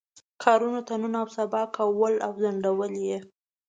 کارونو ته نن او سبا کول او ځنډول یې.